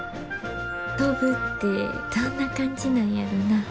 飛ぶってどんな感じなんやろな。